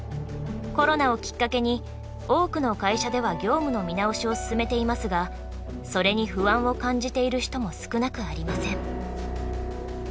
コロナをきっかけに多くの会社では業務の見直しを進めていますがそれに不安を感じている人も少なくありません。